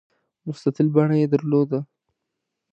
مستطیل بڼه یې درلوده.